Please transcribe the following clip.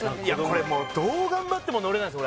これもうどう頑張っても乗れないです